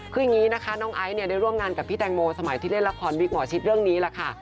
คืออย่างนี้นะคะน้องไอซ์เนี่ยได้ร่วมงานกับพี่แตงโมสมัยที่เล่นละครวิกหมอชิดเรื่องนี้แหละค่ะ